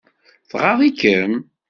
Tɣaḍ-ikem?